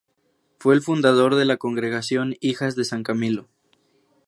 Fue el fundador de la Congregación Hijas de San Camilo.